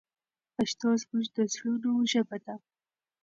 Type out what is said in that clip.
پښتو زموږ د زړونو ژبه ده.